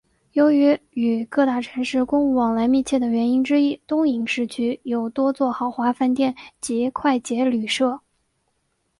由于与各大城市公务往来密切的原因之一东营市区有多座豪华饭店及快捷旅舍。